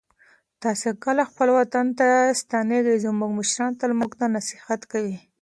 تاسې کله خپل وطن ته ستنېږئ؟ زموږ مشران تل موږ ته نصیحت کوي.